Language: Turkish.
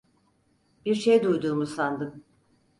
Bir şey duyduğumu sandım.